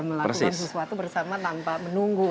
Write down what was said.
melakukan sesuatu bersama tanpa menunggu